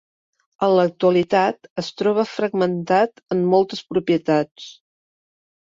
En l'actualitat es troba fragmentat en moltes propietats.